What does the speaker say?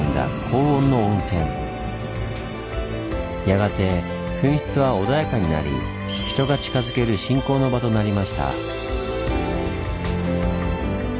やがて噴出は穏やかになり人が近づける信仰の場となりました。